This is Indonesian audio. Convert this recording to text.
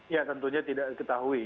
ya tentunya tidak diketahui